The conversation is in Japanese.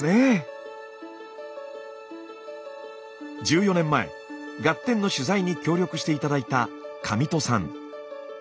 １４年前「ガッテン！」の取材に協力して頂いた上戸さん。